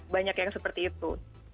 banyak yang seperti itu